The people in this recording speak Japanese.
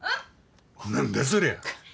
何だそりゃ。